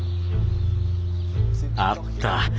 あった！